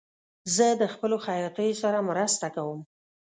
زه د خپلو خیاطیو سره مرسته کوم.